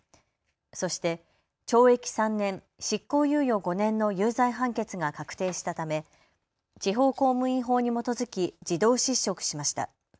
そして懲役３年、執行猶予５年の有罪判決が確定したため地方公務員法に基づき自動失職しました。